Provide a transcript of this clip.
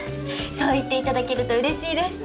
そう言っていただけるとうれしいです。